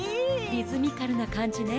リズミカルなかんじね。